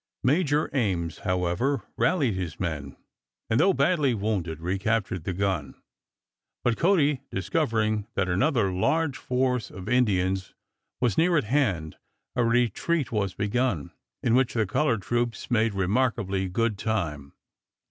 Major Ames, however, rallied his men, and though badly wounded recaptured the gun; but Cody discovering that another large force of Indians was near at hand a retreat was begun, in which the colored troops made remarkably good time.